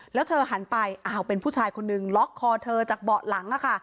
แล้วเธอหันไปอ้าวเป็นผู้ชายคนนึงล็อกคอเธอจากเบาะหลัง